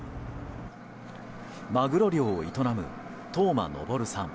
マグロ漁を営む、当真昇さん。